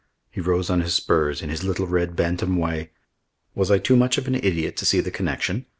He rose on his spurs, in his little red bantam way. Was I too much of an idiot to see the connection?